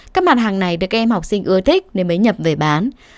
các mặt hàng này được các em học sinh ưa thích nên mới nhập về bán